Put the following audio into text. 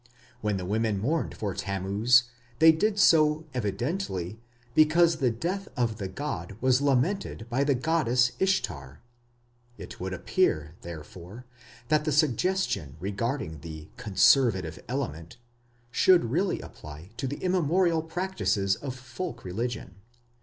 When the women mourned for Tammuz, they did so evidently because the death of the god was lamented by the goddess Ishtar. It would appear, therefore, that the suggestion regarding the "conservative element" should really apply to the immemorial practices of folk religion.